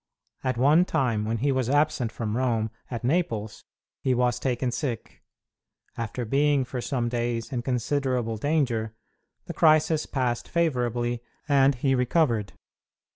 At one time, when he was absent from Rome, at Naples, he was taken sick. After being for some days in considerable danger, the crisis passed favorably, and he recovered.